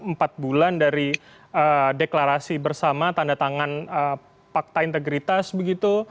empat bulan dari deklarasi bersama tanda tangan fakta integritas begitu